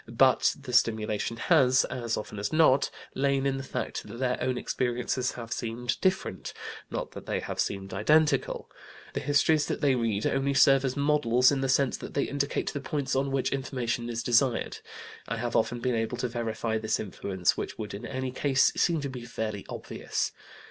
But the stimulation has, as often as not, lain in the fact that their own experiences have seemed different, not that they have seemed identical. The histories that they read only serve as models in the sense that they indicate the points on which information is desired. I have often been able to verify this influence, which would in any case seem to be fairly obvious.